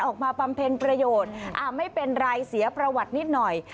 ออกมาปรำเพ็ญประโยชน์อ้าวไม่เป็นไรเสียประวัตินิดหน่อย